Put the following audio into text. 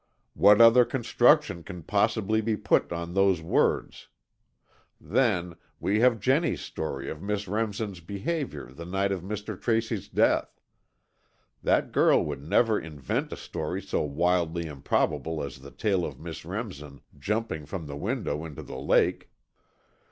What other construction can possibly be put on those words? Then, we have Jennie's story of Miss Remsen's behaviour the night of Mr. Tracy's death. That girl would never invent a story so wildly improbable as the tale of Miss Remsen jumping from the window into the lake."